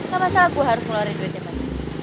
gak masalah gue harus ngeluarin duitnya mbak